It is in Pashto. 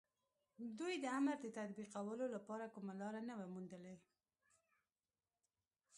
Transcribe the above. دوی د امر د تطبيقولو لپاره کومه لاره نه وه موندلې.